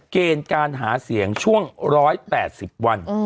เกณฑ์การหาเสียงช่วง๑๘๐วัน